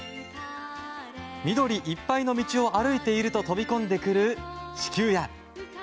緑いっぱいの道を歩いていると飛び込んでくる地球屋。